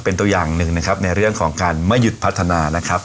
เป็นตัวอย่างหนึ่งในเรื่องของการไม่หยุดพัฒนา